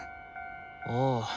ああ。